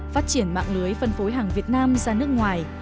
phát triển mạng lưới phân phối hàng việt nam ra nước ngoài